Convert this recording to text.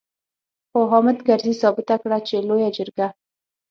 خو حامد کرزي ثابته کړه چې لويه جرګه.